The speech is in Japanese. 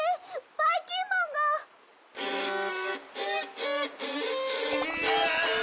ばいきんまんが。ん！